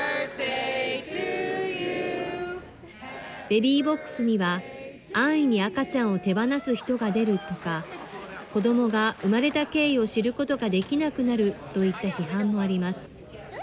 ベビーボックスには、安易に赤ちゃんを手放す人が出るとか、子どもが産まれた経緯を知ることができなくなるといった批判もあります。